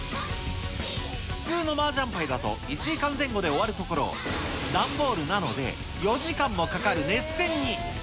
普通のマージャンパイだと１時間前後で終わるところ、段ボールなので４時間もかかる熱戦に。